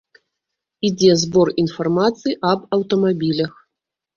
Ідзе збор інфармацыі аб аўтамабілях.